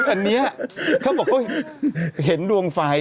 คืออันนี้เขาบอกเฮ้ยเห็นดวงไฟ